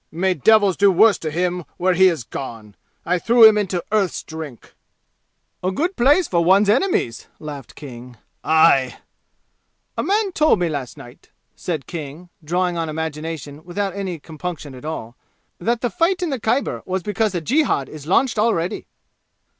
May devils do worse to him where he has gone! I threw him into Earth's Drink!" "A good place for one's enemies!" laughed King. "Aye!" "A man told me last night," said King, drawing on imagination without any compunction at all, "that the fight in the Khyber was because a jihad is launched aleady."